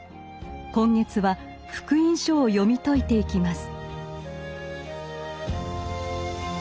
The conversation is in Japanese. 今月は「福音書」を読み解いていきます。